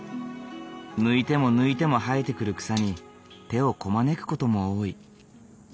抜いても抜いても生えてくる草に手をこまねく事も多い。